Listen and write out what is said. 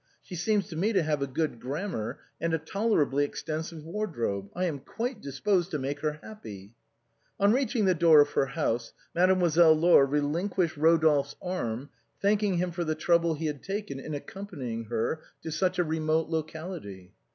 She seems to me to have good grammar and a tolerably extensive wardrobe. I am quite disposed to make her happy." On reaching the door of her house, Mademoiselle Laure relinquished Rodolphe's arm, thanking him for the trouble he had taken in accompanying her to such a remote locality.